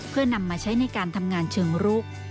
เพื่อนำมาใช้ในการทำงานเชิงรุก